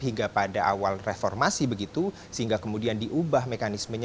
hingga pada awal reformasi begitu sehingga kemudian diubah mekanismenya